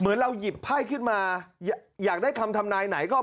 เหมือนเราหยิบไพ่ขึ้นมาอยากได้คำธรรมนายไหน